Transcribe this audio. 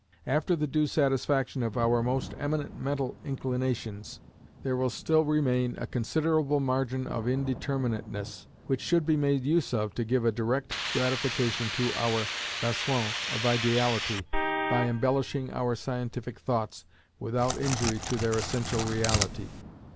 After the due satisfaction of our "most eminent mental inclinations," there will still remain "a considerable margin of indeterminateness, which should be made use of to give a direct gratification to our besoin of ideality, by embellishing our scientific thoughts, without injury to their essential reality" (vi.